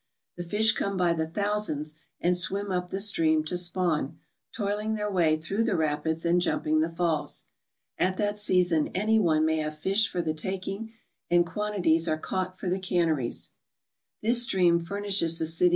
The fish come by the thousands and swim up the stream to spawn, toiling their way through the rapids and jumping the falls. At that season any one may have fish for the taking, and quantities are caught for the canneries.